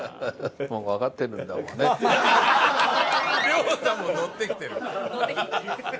リョウさんもノッてきてる。